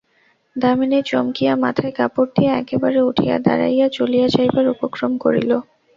দামিনী চমকিয়া মাথায় কাপড় দিয়া একেবারে উঠিয়া দাঁড়াইয়া চলিয়া যাইবার উপক্রম করিল।